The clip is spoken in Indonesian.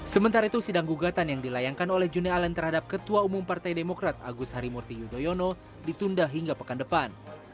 sementara itu sidang gugatan yang dilayangkan oleh joni allen terhadap ketua umum partai demokrat agus harimurti yudhoyono ditunda hingga pekan depan